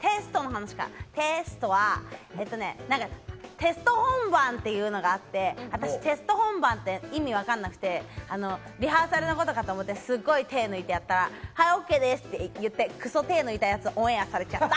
テスト本番というのがあって、テスト本番って意味がわからなくて、リハーサルのことかと思って手を抜いてやったら、ＯＫですと言って、クソ手を抜いたやつがオンエアされちゃった。